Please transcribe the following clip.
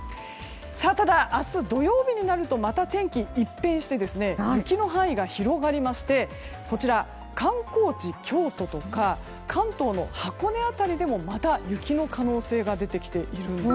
ただ、明日土曜日になるとまた天気一変して雪の範囲が広がりましてこちら、観光地・京都とか関東の箱根辺りでもまた雪の可能性が出てきているんです。